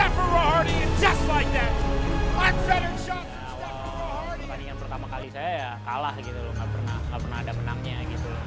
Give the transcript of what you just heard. pertandingan pertama kali saya ya kalah gitu loh nggak pernah ada menangnya gitu